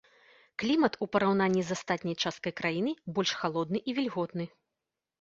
Клімат у параўнанні з астатняй часткай краіны больш халодны і вільготны.